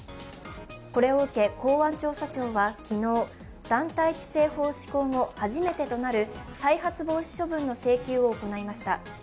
これを受け、公安調査庁は昨日、団体規制法施行後初めてとなる再発防止処分の請求を行いました。